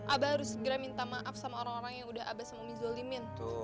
abah harus segera minta maaf sama orang orang yang udah abah sama umi jolimin